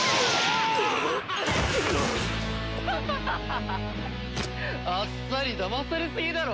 ハハハハッ！あっさりだまされすぎだろ。